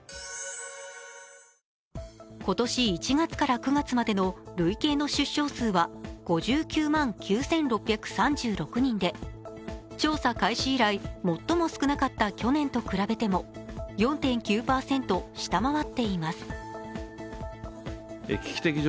今年１月から９月までの累計の出生数は５９万９６３６人で調査開始以来、最も少なかった去年と比べても４．９％下回っています。